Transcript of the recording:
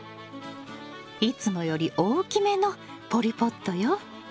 いつもより大きめのポリポットよ。